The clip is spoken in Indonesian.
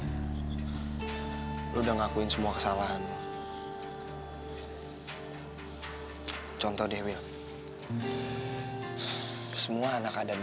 tapi seenggaknya gue udah lega kok